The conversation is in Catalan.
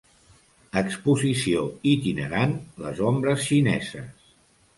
Exposició itinerant 'Les ombres xineses'